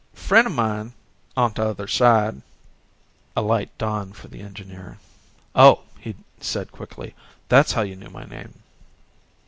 "A friend o' mine on t'other side," a light dawned for the engineer. "Oh," he said quickly. "That's how you knew my name."